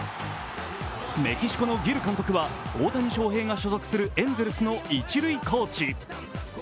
メキシコのギル監督は大谷翔平が所属するエンゼルスの一塁コーチ。